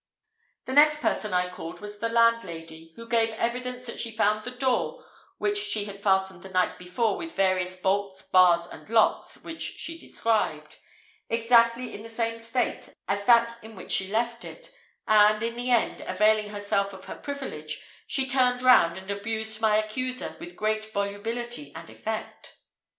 The next person I called was the landlady, who gave evidence that she found the door (which she had fastened the night before with various bolts, bars, and locks, which she described,) exactly in the same state as that in which she left it; and, in the end, availing herself of her privilege, she turned round, and abused my accuser with great volubility and effect.